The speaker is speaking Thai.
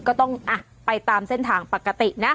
ก็ต้องไปตามเส้นทางปกตินะ